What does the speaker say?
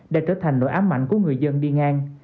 đã trở thành nội ám mạnh của người dân đi ngang